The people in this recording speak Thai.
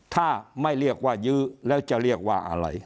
ถ้าไม่เรียกว่ายื้อแล้วจะเรียกว่าอะไร